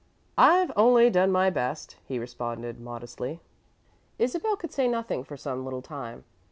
"I've only done my best," he responded, modestly. Isabel could say nothing for some little time.